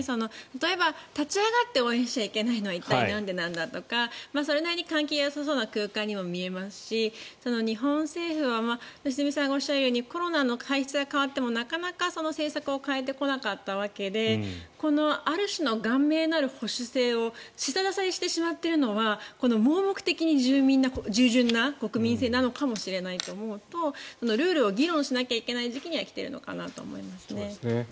例えば立ち上がって応援しちゃいけないのはなんでなんだとかそれなりに換気がよさそうな空間にも見えますし日本政府は良純さんがおっしゃるようにコロナの体質が変わってもなかなか政策を変えてこなかったわけである種の頑迷なる保守性を下支えしてしまっているのはこの盲目的に従順な国民性なのかなと思うとルールを議論しないといけない時期には来ているのかなと思いますね。